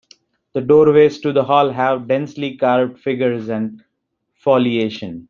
The doorways to the hall have densely carved figures and foliation.